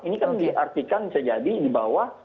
ini kan diartikan bisa jadi di bawah